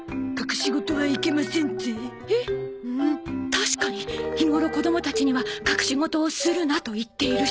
確かに日頃子供たちには隠しごとをするなと言っているし。